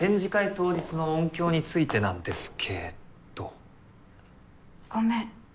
当日の音響についてなんですけどごめん